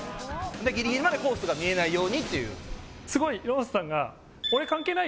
ギリギリまでコースが見えないように。